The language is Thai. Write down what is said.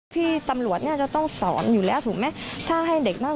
พี่ตำรวจเนี่ยจะต้องสอนอยู่แล้วถูกไหมถ้าให้เด็กนั่ง